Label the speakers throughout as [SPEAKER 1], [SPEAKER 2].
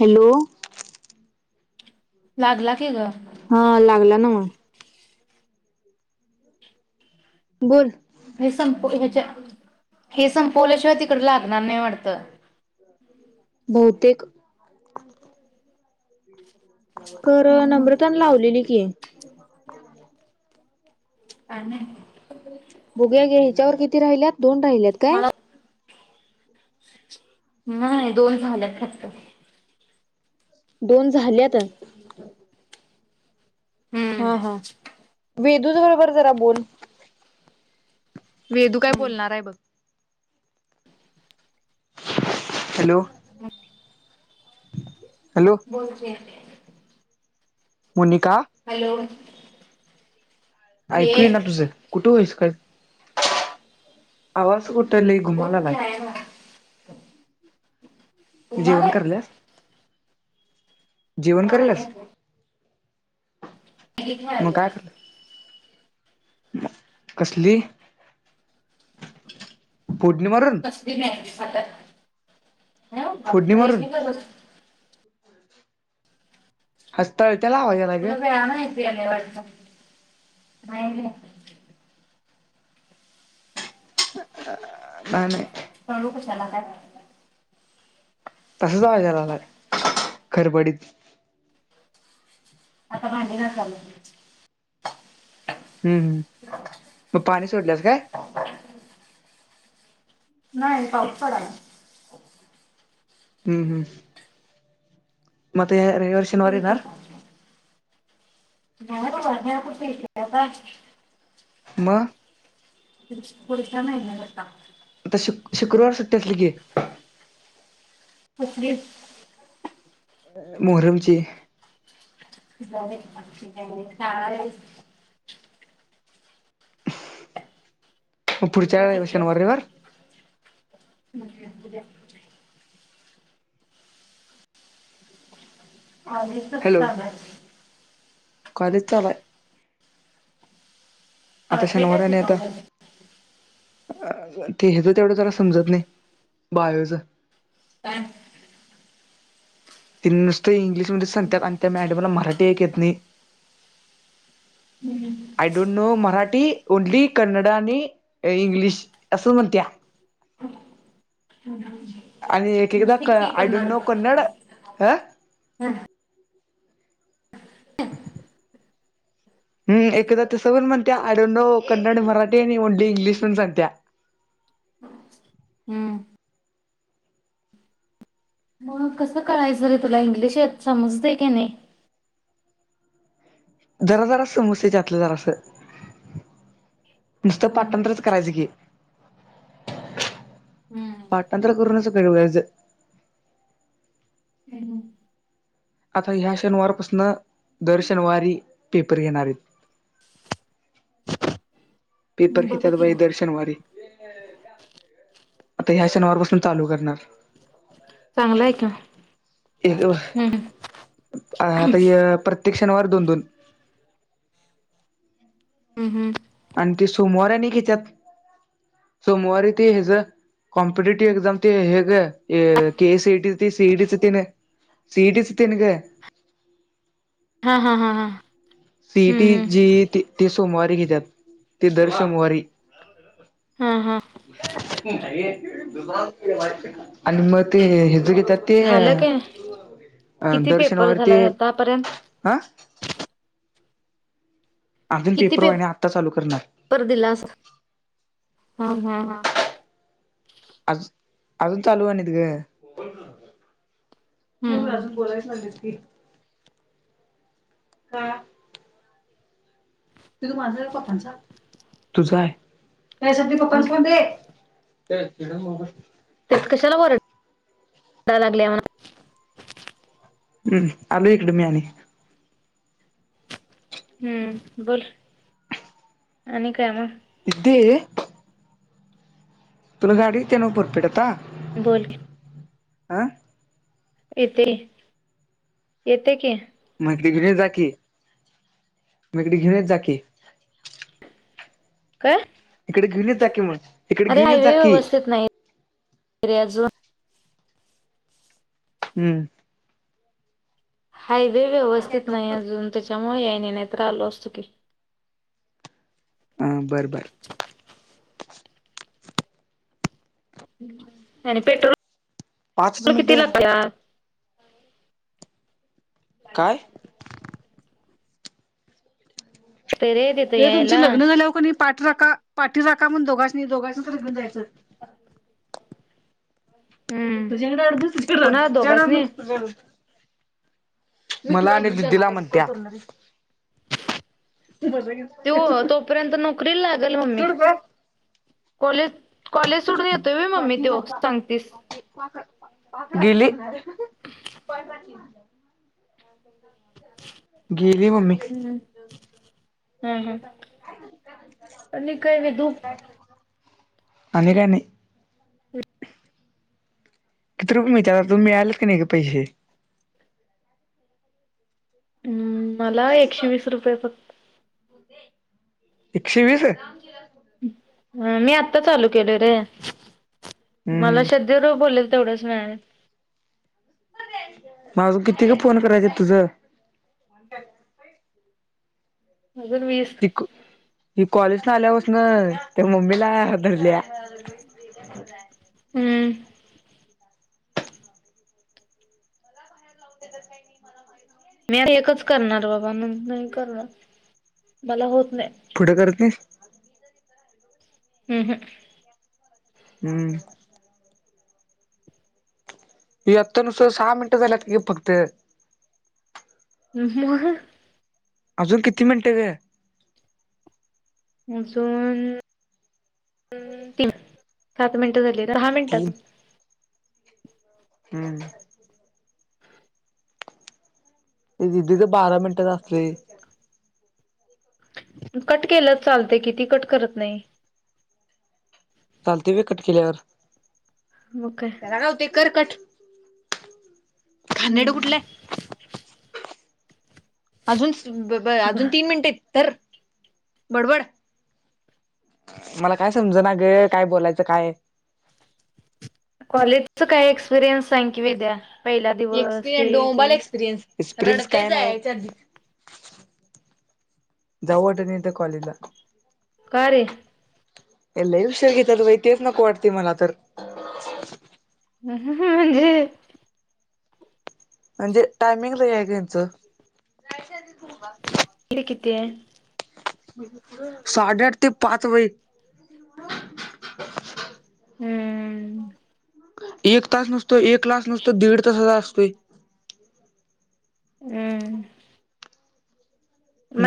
[SPEAKER 1] Hello.
[SPEAKER 2] लागला की ग
[SPEAKER 1] हा लागला ना मग. बोल.
[SPEAKER 2] हे संप ह्यच्या हे संपवल्याशिवाय तिकडं लागणार नाही वाटत. [unintelligible]
[SPEAKER 1] बहुतेक. कर
[SPEAKER 2] हम्म.
[SPEAKER 1] नम्रतानं लावलेली कि
[SPEAKER 2] कायं माहित.
[SPEAKER 1] भुग्या गे ह्याच्यावर किती राहिल्यात दोन राहिल्यात काय
[SPEAKER 2] मला नाही दोन झाल्यात खत
[SPEAKER 1] दोन झालेत हा
[SPEAKER 2] हम्म.
[SPEAKER 1] हा वेदू बरोबर जरा बोल वेदू काय
[SPEAKER 2] हम्म
[SPEAKER 1] बोलणार आहे बघ हॅलो हॅलो
[SPEAKER 2] बोलते
[SPEAKER 1] मोनिका
[SPEAKER 2] हॅलो ये
[SPEAKER 1] ऐकू ना तुझं कुठे होईस काय आवाज कुठे ल घुमाला बाय
[SPEAKER 2] हो
[SPEAKER 1] जेवण करल्यास जेवण
[SPEAKER 2] नाही
[SPEAKER 1] करल्यास
[SPEAKER 2] मॅगी
[SPEAKER 1] मग काय कर
[SPEAKER 2] [inaudible]
[SPEAKER 1] कसली? फोडणी मारून
[SPEAKER 2] कसली नाय ती खातात. हा बा
[SPEAKER 1] फोडणी मारून
[SPEAKER 2] फरसबी [unintelligible]
[SPEAKER 1] हसताय व्हय त्याला आवाज यायलाय ग.
[SPEAKER 2] तुला [unintelligible]
[SPEAKER 1] ह नाय.
[SPEAKER 2] त्याला काय झालेल
[SPEAKER 1] तसाच आवाज यायला लागलाय खरबडीत
[SPEAKER 2] आता भाजी ला चाललोय मी
[SPEAKER 1] हूं हूं म पाणी सोडल्यास काय?
[SPEAKER 2] नाही पाऊस पडालाय.
[SPEAKER 1] हूं हूं म रयवार शनवार येणार
[SPEAKER 2] न्हाय बाबा म्या कुठना येते बाबा
[SPEAKER 1] म
[SPEAKER 2] पीक पुढच्या महिन्यातच टाकते.
[SPEAKER 1] आता शु शुक्रवार सुट्टी असली की,
[SPEAKER 2] कसली
[SPEAKER 1] मोहरम ची
[SPEAKER 2] [unintelligible]
[SPEAKER 1] म पुढच्या शनवार रयवार
[SPEAKER 2] परफेक्ट [unintelligible] आधीच कस
[SPEAKER 1] हॅलो
[SPEAKER 2] सांगणार मी
[SPEAKER 1] कॉलेज चालू हाय आता
[SPEAKER 2] आहे
[SPEAKER 1] शनवार ने आता
[SPEAKER 2] सुचवलं
[SPEAKER 1] अ ते हे तर तेवढं जरा समजत नाय बायोच
[SPEAKER 2] काय म्हणत होती.
[SPEAKER 1] तिनं नुसतं इंग्लिशमध्ये सांगत्यात आणि त्या मॅडमला मराठी एक येत नाई.
[SPEAKER 2] Hmm
[SPEAKER 1] I don't know Marathi only Kannada आणि इंग्लिश असं म्हणत्या
[SPEAKER 2] [unintelligible]
[SPEAKER 1] आणि एक एकदा
[SPEAKER 2] नुसती
[SPEAKER 1] क
[SPEAKER 2] की
[SPEAKER 1] आय डोंट
[SPEAKER 2] करणार
[SPEAKER 1] नो कन्नड ह हूं एकदा तसं पण म्हणत्या I don't know Kannada Marathi आणि ओनली इंग्लिश पण सांगत्या
[SPEAKER 2] हम्म म कसं कळायचं रे तुला इंग्लिश येत समजतय काय नाय.
[SPEAKER 1] जरा जराचं समजतंय त्यातलं जरास नुसतं पाठांतरच करायचं की पाठांतर करूनच [unintelligible] आता ह्या शनवारपासन दर शनवारी पेपर घेणार येत.
[SPEAKER 2] [unintelligible]
[SPEAKER 1] पेपर
[SPEAKER 2] बघ
[SPEAKER 1] घेतात
[SPEAKER 2] की
[SPEAKER 1] बई
[SPEAKER 2] मग
[SPEAKER 1] दर शनवारी आता ह्या शनवारपासन चालू करणार
[SPEAKER 2] चांगलं आहे का हम्म.
[SPEAKER 1] आता हया प्रत्य त्येक शणवारी दोन दोन
[SPEAKER 2] हम्म हम्म
[SPEAKER 1] आणि ते सोमवार आणि घेत्यात सोमवारी ते ह्याज कॉम्पिटेटिव्ह एक्झाम ते हे ग अ K E C E T C E T च तिन- सी ई टीचं तिन ग -
[SPEAKER 2] हा हा हा हा हम्म,
[SPEAKER 1] सिटी
[SPEAKER 2] हम्म.
[SPEAKER 1] जे ते सोमवारी घेतात ते दर सोमवारी
[SPEAKER 2] हा हा
[SPEAKER 1] आणि मग ते अग त ते
[SPEAKER 2] झालं काय
[SPEAKER 1] अं
[SPEAKER 2] किती
[SPEAKER 1] दर्शन
[SPEAKER 2] पेपर
[SPEAKER 1] वारती
[SPEAKER 2] झाला आतापर्यंत?
[SPEAKER 1] हं
[SPEAKER 2] किती
[SPEAKER 1] वाहिनी आत्ता चालू करणार
[SPEAKER 2] पेपर दिला अस ह व
[SPEAKER 1] आज अजून चालू आहे त ग अजून
[SPEAKER 2] हम्म
[SPEAKER 1] बोलायच हा त तू माझ पप्पांचा तुझा आहे पप्पांचा म्हण ते तड मब
[SPEAKER 2] तेत कशाला बर लागले म्हणा
[SPEAKER 1] हम्म आल इकड म्याने
[SPEAKER 2] हम्म बोल आणि काय मग
[SPEAKER 1] यदीे तुला गाडी ते नापरपेठ आता
[SPEAKER 2] बोल
[SPEAKER 1] आं
[SPEAKER 2] येते येते की
[SPEAKER 1] मेकडी घे जाकी मेकडी घेणी जाकी
[SPEAKER 2] का
[SPEAKER 1] इिकडे घेली जाा की म
[SPEAKER 2] अरे हायवे व्यवस्थित नाही अजून
[SPEAKER 1] हम्म
[SPEAKER 2] हायवे
[SPEAKER 1] त्या
[SPEAKER 2] व्यवस्थित नाही
[SPEAKER 1] डोकं
[SPEAKER 2] अजून त्याच्यामुळे याने नाहीत्र आलो असतो की
[SPEAKER 1] हा बरं बर
[SPEAKER 2] नाही
[SPEAKER 1] पाचच
[SPEAKER 2] पेट्रोल
[SPEAKER 1] मिनिटं
[SPEAKER 2] किती
[SPEAKER 1] झालं
[SPEAKER 2] लागया अ
[SPEAKER 1] काय?
[SPEAKER 2] ते रे तिथं
[SPEAKER 1] हे तुमची
[SPEAKER 2] यायला
[SPEAKER 1] लग्न झा हो का पा रा पाठी राख म्हण दोघां दोघांच लग्नयचं
[SPEAKER 2] हम्म
[SPEAKER 1] तुझ्याड अस तस
[SPEAKER 2] कुणाला
[SPEAKER 1] तुझणार
[SPEAKER 2] दोघासनी?
[SPEAKER 1] तूझ मला आणि दिदीला म्हणत्या
[SPEAKER 2] त तोपर्यंत नोकरी लागेल मम्मी
[SPEAKER 1] सोड गं
[SPEAKER 2] कॉलेज कॉलेज सोडून येतोयी मम्मी तो सांगतेस
[SPEAKER 1] गिली गेली म्मी
[SPEAKER 2] हम्म हम् हम आणि काय वि दुप
[SPEAKER 1] अनका नाही किथ रुपय मिलतात तुला मिळालं कि नाही गा पैसे
[SPEAKER 2] हम्म मला एकशे वीस रुपये फक्त
[SPEAKER 1] एकशे वीस
[SPEAKER 2] मी आत्ता चालू केल रे
[SPEAKER 1] हम्म
[SPEAKER 2] मला श्रद्दी बर बोलेल तेवढाच मिळालेत
[SPEAKER 1] माझ किती गा फोन करायच तुझ
[SPEAKER 2] अजून वीस
[SPEAKER 1] ती ती कॉलेज न आल्या पासन ते मम्मीला धरल्या [inaudible]
[SPEAKER 2] हम्म मी एकच करणार बाबा नाही करणार मला होत नाही
[SPEAKER 1] पुठे करत नाही
[SPEAKER 2] हम् हम्
[SPEAKER 1] हम्म अत्ता नस्त सहा मिनट झालत फक्त
[SPEAKER 2] ह
[SPEAKER 1] अजून किती मिनटे ग?
[SPEAKER 2] अजून तीन सात मिनटं झालीत. दहा
[SPEAKER 1] तीन
[SPEAKER 2] मिनटात
[SPEAKER 1] हम्म दीदी च बारा मिनटात असले
[SPEAKER 2] कट केलंच चालते कि ती कट करत नाही?
[SPEAKER 1] चालते व्हय कट केल्यावर त्याला काय होतय कर कट -
[SPEAKER 2] हम्म
[SPEAKER 1] कुठलं आहे. अजून ब ब अजून तीन मिनिट आहेत धर तर बडबड मला काय समज ना ग काय बोलायचं काय?
[SPEAKER 2] कॉलेजच काय एक्सपिरियन्स सांग की, विद्या पहिला दिवस हे
[SPEAKER 1] एक्सपिरियन्स
[SPEAKER 2] ते
[SPEAKER 1] डोबाल एक्सपिरियन्स काही नाही [unintelligible] जाऊ वाटत नाही कॉलेजला
[SPEAKER 2] कारे
[SPEAKER 1] लई उशीर घेतात वहि तेच नको वाटते मला तर
[SPEAKER 2] ह ह म्हणजे
[SPEAKER 1] म्हणजे टायमिंग लय हाय ग यांचं
[SPEAKER 2] किती ते
[SPEAKER 1] साडेआठ ते पाच वाजे
[SPEAKER 2] हम्म
[SPEAKER 1] एक तास नुसता एक क्लास नुसतो दीड तासाचा असतोय
[SPEAKER 2] हम्म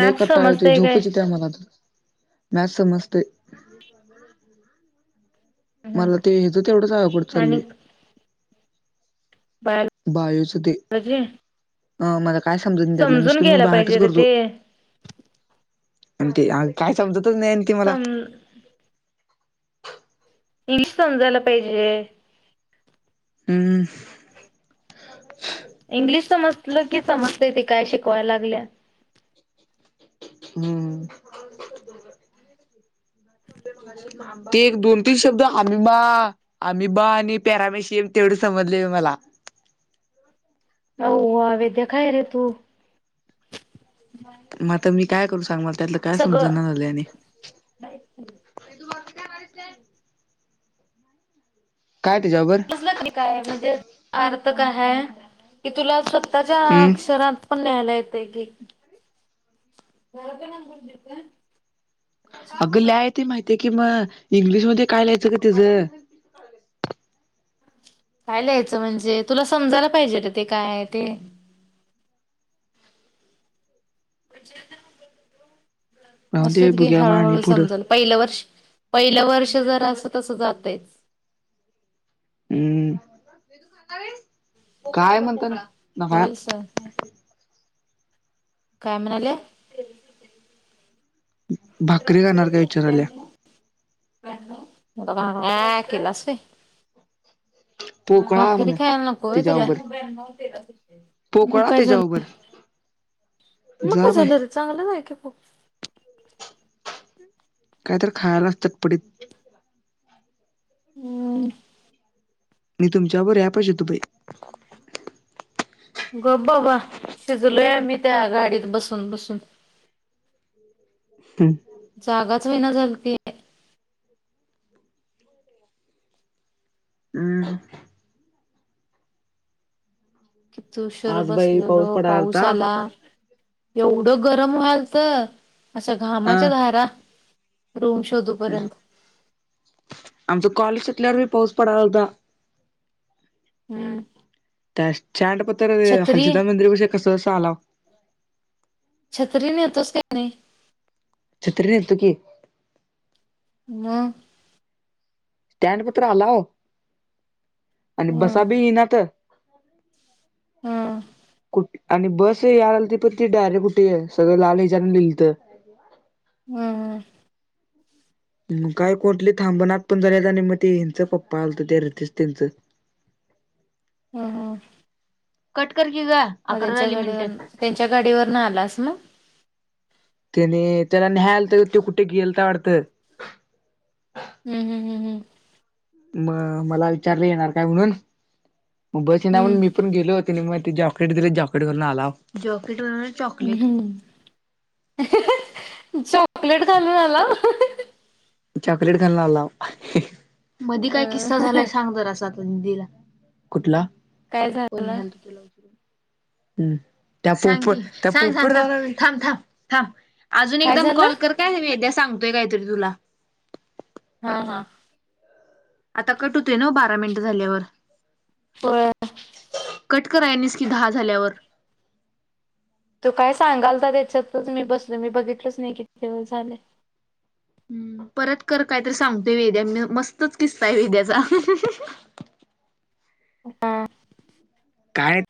[SPEAKER 1] लय कटाळा येताय
[SPEAKER 2] समजतय काय
[SPEAKER 1] झोपच येती आहे मला तर म्यॅथ्स समजतय
[SPEAKER 2] हम्म
[SPEAKER 1] मला ते ह्याज तेवढंच अवघड चालले
[SPEAKER 2] बायोलोजि
[SPEAKER 1] अं मला काय समजत नाही त्यातलं नुसत मी बाहेटच
[SPEAKER 2] पाहिजे रे
[SPEAKER 1] करतो
[SPEAKER 2] ते
[SPEAKER 1] आणि ते काय समजतच नाही ती मला
[SPEAKER 2] सम इंग्लिश समजायला पाहिजे
[SPEAKER 1] हम्म -
[SPEAKER 2] इंग्लिश समजलं की समजते ते काय शिकवायला लागल्या?
[SPEAKER 1] हम्म. ते एक, दोन, तीन शब्द आमिबा, आमिबा आणि पॅरामेशियम तेवढं समजल. ते मला
[SPEAKER 2] [inaudible] ओवा विद्या काय रे तू
[SPEAKER 1] म आता मी काय करू सांग मला त्यातलं काय
[SPEAKER 2] सगळं
[SPEAKER 1] समजणा झालय आणि [inaudible] काय त्याच्याबरोबर
[SPEAKER 2] समजलं तरी काय म्हणजे अर्थ कायय की तुला स्व त्याच्या
[SPEAKER 1] हम्म
[SPEAKER 2] अक्षरात पण ल्याययला येते की घरातला नंबर दीऊ काय?
[SPEAKER 1] अग लिह्याय येतय माहिती ते कि म इंग्लिशमध्ये काय लिहायचं ग त्यज?
[SPEAKER 2] काय लिहायचं म्हणजे तुला समजायला पाहिजे ते काय आहे ते? [inaudible]
[SPEAKER 1] राहून दे
[SPEAKER 2] असुदे गे
[SPEAKER 1] बघूया मग आणि
[SPEAKER 2] हळूहळू
[SPEAKER 1] पुढं
[SPEAKER 2] समजल पहिलं वर्ष पहिलं वर्ष जर अस तस जातेच
[SPEAKER 1] हम्म काय म्हणता ना नका
[SPEAKER 2] होईल सहन काय म्हणाले?
[SPEAKER 1] भाकरी
[SPEAKER 2] त्र्यातर
[SPEAKER 1] खाणार काय विचाराल्या
[SPEAKER 2] सत्यानऊ आ केलास व्हय
[SPEAKER 1] पोकळा
[SPEAKER 2] भाकरी
[SPEAKER 1] म्हण
[SPEAKER 2] खायला नको होय तुला
[SPEAKER 1] तिच्याबरोबर
[SPEAKER 2] मग
[SPEAKER 1] पोकळा
[SPEAKER 2] काय
[SPEAKER 1] तेच्या
[SPEAKER 2] झालं
[SPEAKER 1] बरोबर
[SPEAKER 2] मग क झाल रे चांगलं झालं की खूप
[SPEAKER 1] काहीत खायला चटपटीत
[SPEAKER 2] हमम
[SPEAKER 1] मी तुमच्याबर अॲपशीेतुपई
[SPEAKER 2] गप बाबा शिजलोय आमी त्या गाडीत बसून बसून जागाच हुईना झालती
[SPEAKER 1] हम्म
[SPEAKER 2] किती ऊशर
[SPEAKER 1] आज बाई
[SPEAKER 2] बसलेलो
[SPEAKER 1] पडाला
[SPEAKER 2] पाऊस
[SPEAKER 1] होता
[SPEAKER 2] आला एवढं गरम व्हालत असा घामाच्या धारा रूम शोधूपर्यंत
[SPEAKER 1] आमच कॉलेज सुटल्यावर बी पाऊस पडायल्यालता
[SPEAKER 2] हम्म
[SPEAKER 1] त्या स्टॅन्डपतर
[SPEAKER 2] छत्री
[SPEAKER 1] हालसिद्धनाथ मंदिरापशी कसं बसं आलाव
[SPEAKER 2] छत्री नेतोस काय नाई
[SPEAKER 1] छत्री नेतो की
[SPEAKER 2] म
[SPEAKER 1] स्टॅन्डपतुर आलाव आणि
[SPEAKER 2] हम्म
[SPEAKER 1] बसा बी यिनात
[SPEAKER 2] हम्म
[SPEAKER 1] कुठ आणि बस यायलाती पण ती डायरेक्ट कुठे सगळं लाल हच्यान लिहिलत
[SPEAKER 2] हम् हम्
[SPEAKER 1] मग काय कुटली थांबणात पण झाल्यात आणि म ते ह्यनच पप्पा आलत त्या रितेश त्यांचं
[SPEAKER 2] ह ह
[SPEAKER 1] कट करकी ग अकरा झाली मिनटे
[SPEAKER 2] त्यांच्या गाडीवर ना आलास मग
[SPEAKER 1] त्याने त्याला न्हायला आलतं वाटतं त्यो कुठं गेलता वाडत
[SPEAKER 2] हम्म हम्म हम् हम्म
[SPEAKER 1] मग मला विचारल येणार काय म्हणून मग बस यिना म्हून
[SPEAKER 2] हम्म
[SPEAKER 1] मी पण गेलो म त्यांनी मग जॉकेट दिले जॉकेट घालून आलाव बरोबर चॉकलेट
[SPEAKER 2] हम्म हाहाहा चॉकलेट घालून आलाव
[SPEAKER 1] चॉकलेट घालून आलाव मदी काय किस्सा झालाय
[SPEAKER 2] अं,
[SPEAKER 1] सांग जरासं आता बोला कुठला
[SPEAKER 2] काय
[SPEAKER 1] कोण
[SPEAKER 2] झालं
[SPEAKER 1] न्हलत तुला उचलून ह् त्या थांब थांब थांब अजून
[SPEAKER 2] काय
[SPEAKER 1] एकदम
[SPEAKER 2] झालं
[SPEAKER 1] कॉल कर काय मी उद्या सांगतोय काहीतरी तुला
[SPEAKER 2] हा हा
[SPEAKER 1] आता कट होत आहे न बारा मिनट झाल्यावर
[SPEAKER 2] हो
[SPEAKER 1] कटक आहेनस की दहा झाल्यावर
[SPEAKER 2] तू काय सांगाल त्याच्यातच मी बसल मी बघितलंच नाही किती वेळ झाले
[SPEAKER 1] हम्म परत कर कायतरी सांगतोय वेद्या मस्तच किसतय वेद्याचा
[SPEAKER 2] हा
[SPEAKER 1] काय